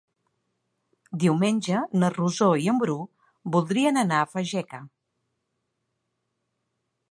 Diumenge na Rosó i en Bru voldrien anar a Fageca.